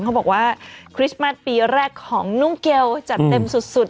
เขาบอกว่าคริสต์มัสปีแรกของนุ่งเกลจัดเต็มสุด